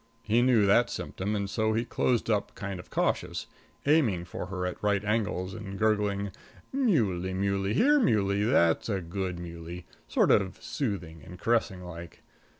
He knew that symptom and so he closed up kind of cautious, aiming for her at right angles and gurgling, "Muley, muley, here muley; that's a good muley," sort of soothing and caressing like.